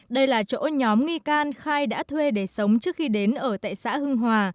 đây là chỗ nhóm nghi can khai đã thuê để sống trước khi đến ở tại xã hưng hòa